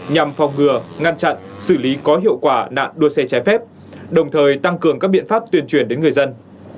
nhằm phòng ngừa ngăn chặn xử lý có hiệu quả nạn đua xe trái phép đồng thời tăng cường các biện pháp tuyên truyền đến người dân